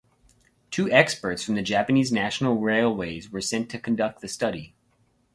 Two experts from the Japanese National Railways were sent to conduct the study.